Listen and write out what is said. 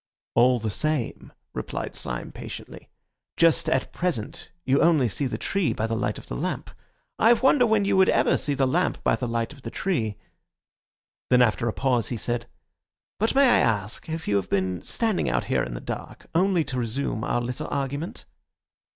"All the same," replied Syme patiently, "just at present you only see the tree by the light of the lamp. I wonder when you would ever see the lamp by the light of the tree." Then after a pause he said, "But may I ask if you have been standing out here in the dark only to resume our little argument?"